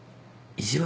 意地悪？